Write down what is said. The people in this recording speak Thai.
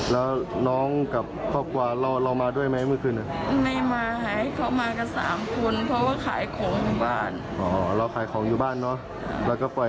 แล้วก็ปล่อยให้เขามาเลยอันนี้เขามาเยี่ยมใคร